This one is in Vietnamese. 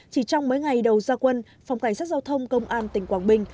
chỉ trong mấy ngày đầu gia quân phòng cảnh sát giao thông công an tỉnh quảng bình